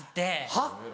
はっ？